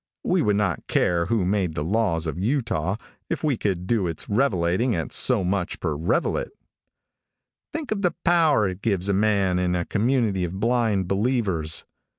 We would not care who made the laws of Utah if we could do its revelating at so much per revelate. Think of the power it gives a man in a community of blind believers.